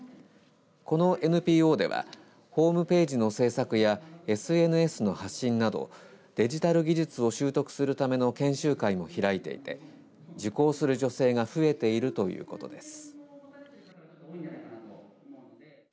このＮＰＯではホームページの制作やＳＮＳの発信などデジタル技術を習得するための研修会も開いていて受講する女性が増えているということです。